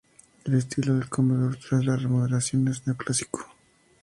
El estilo del comedor tras la remodelación es neoclásico.